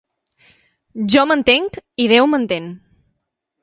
Jo m'entenc i Déu m'entén.